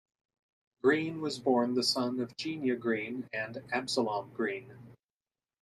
Green was born the son of Genia Green and Absalom Green.